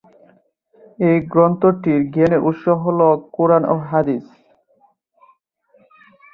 এই গ্রন্থটির জ্ঞানের উৎস হল কুরআন ও হাদিস।